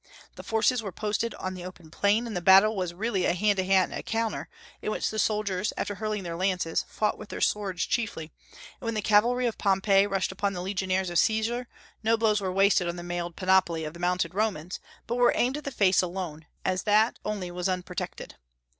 The forces were posted on the open plain, and the battle was really a hand to hand encounter, in which the soldiers, after hurling their lances, fought with their swords chiefly; and when the cavalry of Pompey rushed upon the legionaries of Caesar, no blows were wasted on the mailed panoply of the mounted Romans, but were aimed at the face alone, as that only was unprotected.